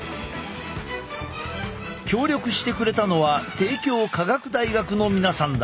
協力してくれたのは帝京科学大学の皆さんだ。